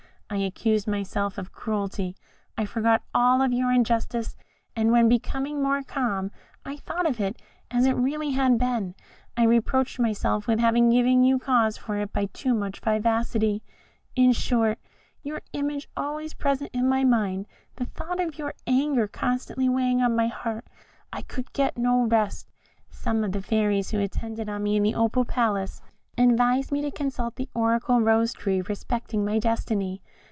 I accused myself of cruelty, I forgot all your injustice, and when, becoming more calm, I thought of it as it really had been, I reproached myself with having given you cause for it by too much vivacity in short, your image always present in my mind, the thought of your anger constantly weighing on my heart, I could get no rest. Some of the fairies who attended on me in the Opal Palace advised me to consult the oracular Rose tree respecting my destiny.